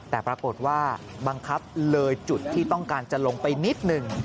แต่ปรากฏว่าบังคับเลยจุดที่ต้องการจะลงไปนิดหนึ่ง